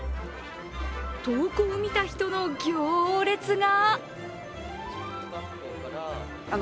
投稿を見た人の行列が。